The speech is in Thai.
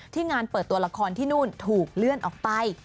งานเปิดตัวละครที่นู่นถูกเลื่อนออกไป